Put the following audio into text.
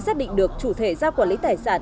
xác định được chủ thể giao quản lý tài sản